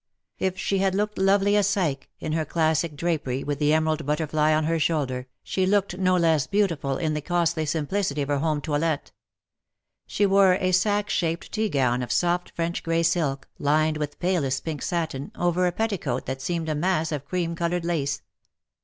If she had looked lovely as Psyche, in her classic drapery, with the emerald butterfly on her shoulder, she looked no less beautiful in the costly simplicity of her home toilet. She wore a sacque shaped tea gown of soft French grey silk, lined with palest pink satin, over a petticoat that seemed a mass of cream coloured lace.